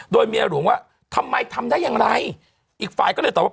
โดยเมียหลวงว่าทำไมทำได้อย่างไรอีกฝ่ายก็เลยตอบว่า